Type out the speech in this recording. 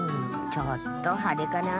ちょっとはでかな。